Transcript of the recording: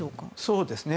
そうですね。